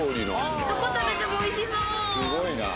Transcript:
どこ食べてもおいしそう！